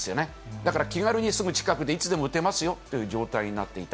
だから気軽にすぐ近くでいつでも打てますよという状態になっていた。